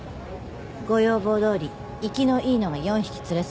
ご要望どおり生きのいいのが４匹釣れそうよ。